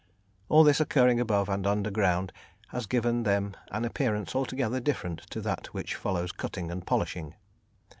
All this occurring above and under ground has given them an appearance altogether different to that which follows cutting and polishing.